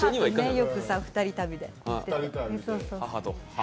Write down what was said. よくさ、２人旅でさ。